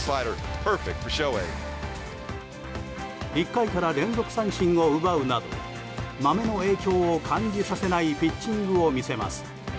１回から連続三振を奪うなどマメの影響を感じさせないピッチングを見せます。